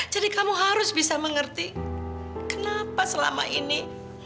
jadi kamu harus bisa mengerti kenapa selama ini